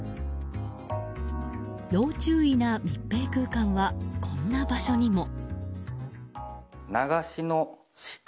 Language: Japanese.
要注意な密閉空間はこんな場所にも。